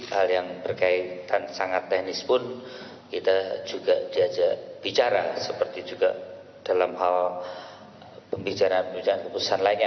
hal yang berkaitan sangat teknis pun kita juga diajak bicara seperti juga dalam hal pembicaraan pembicaraan keputusan lainnya